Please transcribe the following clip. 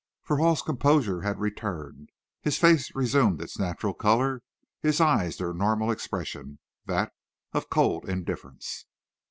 For Hall's composure had returned; his face resumed its natural color; his eyes their normal expression that of cold indifference.